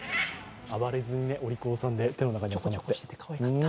暴れずに、お利口さんで手の中に収まって。